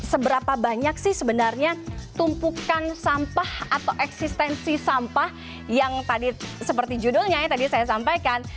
seberapa banyak sih sebenarnya tumpukan sampah atau eksistensi sampah yang tadi seperti judulnya tadi saya sampaikan